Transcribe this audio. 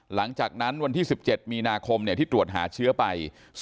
หลังจากนั้นวันที่๑๗มีนาคมที่ตรวจหาเชื้อไป